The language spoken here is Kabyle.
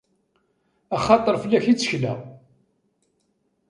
Axaṭer fell-ak i ttekleɣ!